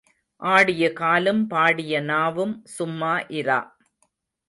ஆடிய காலும் பாடிய நாவும் சும்மா இரா.